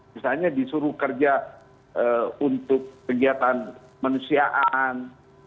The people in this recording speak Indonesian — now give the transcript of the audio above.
misalnya disuruh kerja untuk kegiatan manusiaan